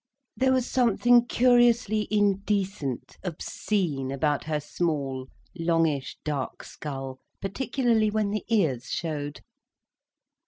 There was something curiously indecent, obscene, about her small, longish, dark skull, particularly when the ears showed.